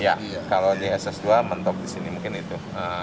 iya kalau di ss dua mentok di sini mungkin itu